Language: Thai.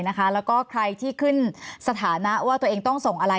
แล้วก็ใครที่ขึ้นสถานะว่าตัวเองต้องส่งอะไร